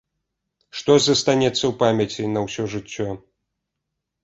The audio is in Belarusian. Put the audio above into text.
Што застанецца ў памяці на ўсё жыццё?